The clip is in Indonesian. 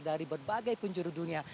dari berbagai pun juru dunia